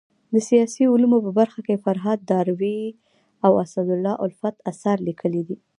د سیاسي علومو په برخه کي فرهاد داوري او اسدالله الفت اثار ليکلي دي.